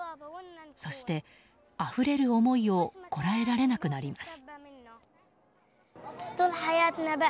そして、あふれる思いをこらえられなくなります。